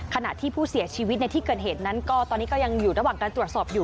ขณะที่ผู้เสียชีวิตในที่เกิดเหตุนั้นก็ตอนนี้ก็ยังอยู่ระหว่างการตรวจสอบอยู่